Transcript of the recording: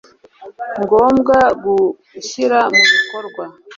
ngombwa mu gushyira mu bikorwa